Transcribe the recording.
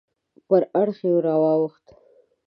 پر اړخ راواوښت.